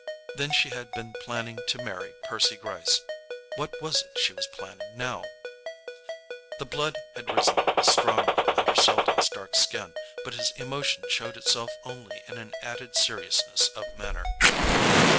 Then she had been planning to marry Percy Gryce—what was it she was planning now? The blood had risen strongly under Selden's dark skin, but his emotion showed itself only in an added seriousness of manner.